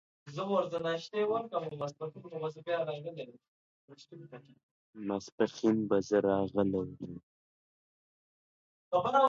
هوښیار انسان د عمل ژبه لري، نه یوازې خبرې.